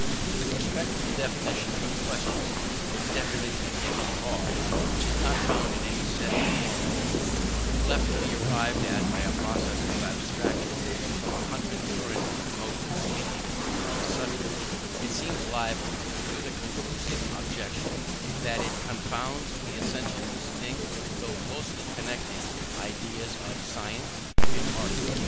With respect to the definition in question, if definition it can be called which is not found in any set form of words, but left to be arrived at by a process of abstraction from a hundred current modes of speaking on the subject; it seems liable to the conclusive objection, that it confounds the essentially distinct, though closely connected, ideas of science and art.